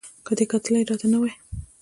که دې کتلي را ته نه وای